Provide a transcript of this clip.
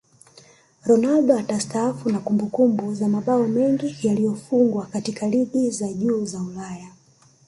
Ronaldo atastaafu na kumbukumbu za mabao mengi yaliyofungwa katika ligi za juu za Ulaya